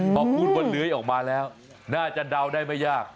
พอพูดว่าเลื้อยออกมาแล้วน่าจะเดาได้ไม่ยาก